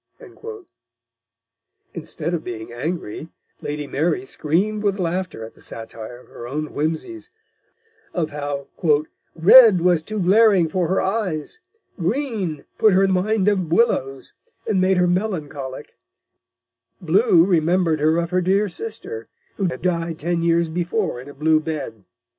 Instead of being angry, Lady Mary screamed with laughter at the satire of her own whimsies, of how "Red was too glaring for her eyes; Green put her in Mind of Willows, and made her melancholic; Blue remembered her of her dear Sister, who had died ten Years before in a blue Bed."